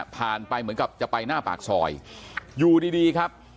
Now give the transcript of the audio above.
ไปเหมือนกับจะไปหน้าปากซอยอยู่ดีดีครับ